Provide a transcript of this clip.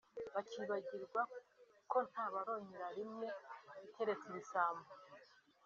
bakibagirwa ko nta baronkera rimwe keretse ibisambo